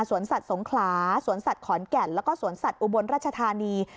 สวนสัตว์สงขลาสวนสัตว์ขอนแก่นแล้วก็สวนสัตว์อุบลราชธานี